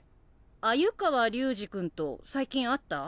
鮎川龍二君と最近会った？